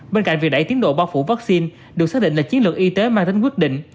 bên cạnh việc đẩy tiến độ bao phủ vaccine được xác định là chiến lược y tế mang tính quyết định